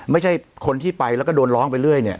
ไม่ใช่คนที่ไปแล้วก็โดนร้องไปเรื่อยเนี่ย